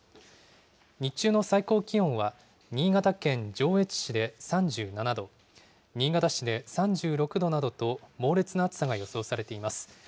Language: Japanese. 日中の最高気温は新潟県上越市で３７度、新潟市で３６度などと猛烈な暑さが予想されています。